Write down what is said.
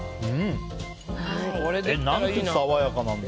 何て爽やかなんだ。